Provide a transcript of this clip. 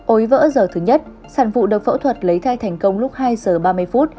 ối vỡ giờ thứ nhất sản phụ được phẫu thuật lấy thai thành công lúc hai giờ ba mươi phút